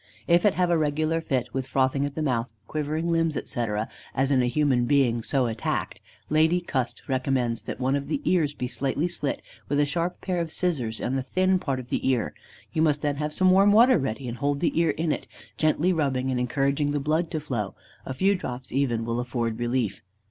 If it have a regular fit, with frothing at the mouth, quivering limbs, etc., as in a human being so attacked, Lady Cust recommends that one of the ears be slightly slit with a sharp pair of scissors in the thin part of the ear. You must then have some warm water ready and hold the ear in it, gently rubbing and encouraging the blood to flow, a few drops even will afford relief.